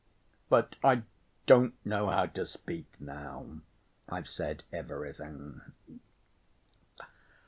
'... But I don't know how to speak now. I've said everything....